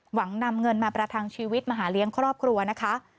นำเงินมาประทังชีวิตมาหาเลี้ยงครอบครัวนะคะ